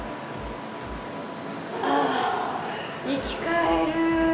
あーっ、生き返る。